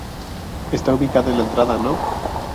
Está ubicado en la entrada No.